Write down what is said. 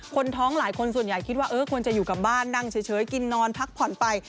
คนท้องหลายคนส่วนใหญ่คิดว่าควรจะอยู่กับบ้านนั่งเฉยกินนอนพักผ่อนไป